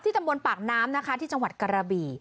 ตำบลปากน้ำนะคะที่จังหวัดกระบี่